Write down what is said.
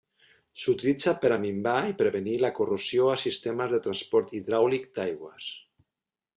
S'utilitza per a minvar i prevenir la corrosió a sistemes de transport hidràulic d'aigües.